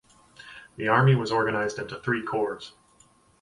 The Army was organised into three corps.